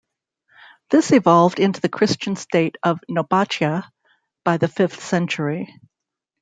This evolved into the Christian state of Nobatia by the fifth century.